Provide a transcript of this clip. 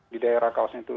di daerah kawasan itu